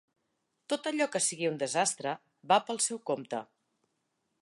Tot allò que sigui un desastre, va pel seu compte.